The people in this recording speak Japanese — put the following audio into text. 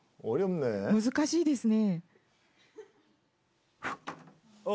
難しいですね。